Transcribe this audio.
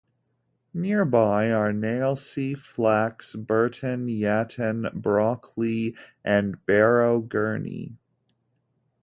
Nearby are Nailsea, Flax Bourton, Yatton, Brockley and Barrow Gurney.